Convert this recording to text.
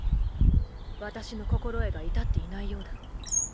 私の心得が至っていないようだ。